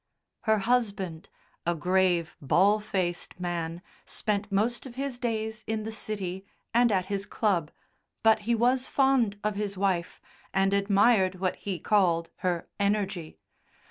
Her husband, a grave, ball faced man, spent most of his days in the City and at his club, but was fond of his wife, and admired what he called her "energy."